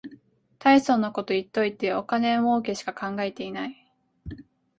たいそうなこと言っといて金もうけしか考えてない